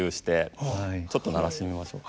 ちょっと鳴らしてみましょう。